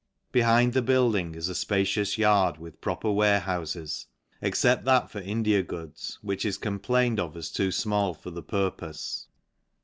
Behind 1 building is a fpacious yard with proper warehouf except that for India goods, which is complained as much too fmall for the purpofe.